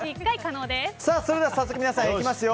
それでは早速皆さんいきますよ。